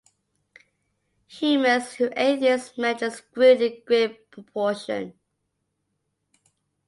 Humans who ate these medlars grew in great proportions.